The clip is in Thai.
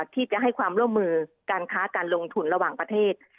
ที่จะให้ความร่วมมือการค้าการลงทุนระหว่างประเทศ